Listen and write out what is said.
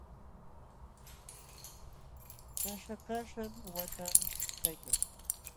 Kaśha kaśham waqta kaykan.